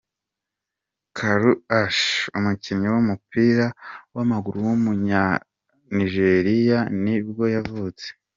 Kalu Uche, umukinnyi w’umuppira w’amaguru w’umunyanigeriya ni bwo yavutse.